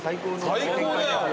最高だよ。